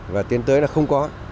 và tiến tới là không có